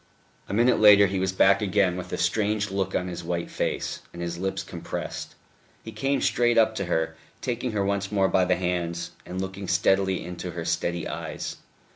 A minute later he was back again, with a strange look on his white face, and his lips compressed. He came straight up to her, taking her once more by the hands, and looking steadily into her steady eyes.